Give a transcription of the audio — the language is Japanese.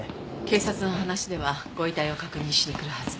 警察の話ではご遺体を確認しに来るはず。